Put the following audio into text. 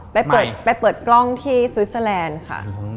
ไปเปิดกล้องที่สวิสเตอร์แลนด์ค่ะ